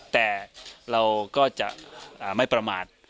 แต่เราก็จะไม่ประมาท